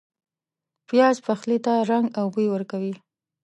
پیاز پخلي ته رنګ او بوی ورکوي